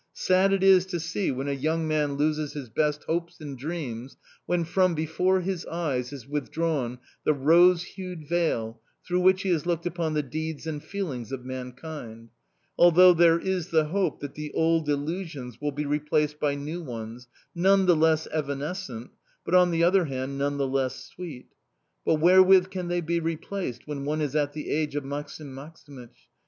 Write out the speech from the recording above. Sad it is to see when a young man loses his best hopes and dreams, when from before his eyes is withdrawn the rose hued veil through which he has looked upon the deeds and feelings of mankind; although there is the hope that the old illusions will be replaced by new ones, none the less evanescent, but, on the other hand, none the less sweet. But wherewith can they be replaced when one is at the age of Maksim Maksimych?